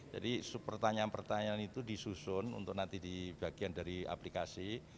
jadi pertanyaan pertanyaan itu disusun untuk nanti di bagian dari aplikasi